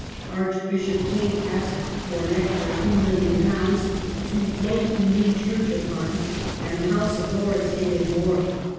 Archbishop Tait asked for an extra £3,000,000 " to float the new Church upon," and the House of Lords gave him more.